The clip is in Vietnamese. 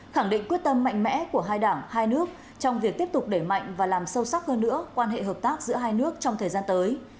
khẳng định quyết tâm mạnh mẽ của hai đảng hai nước trong việc tiếp tục đẩy mạnh và làm sâu sắc hơn nữa quan hệ hợp tác giữa hai nước trong thời gian tới